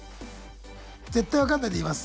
絶対分かんないんで言います。